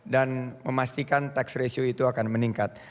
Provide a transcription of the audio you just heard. dan memastikan tax ratio itu akan meningkat